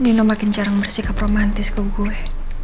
nino makin jarang bersikap romantis ke gue